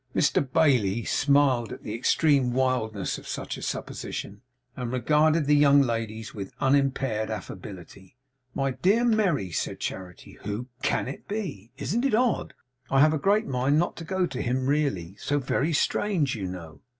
Mr Bailey smiled at the extreme wildness of such a supposition, and regarded the young ladies with unimpaired affability. 'My dear Merry,' said Charity, 'who CAN it be? Isn't it odd? I have a great mind not to go to him really. So very strange, you know!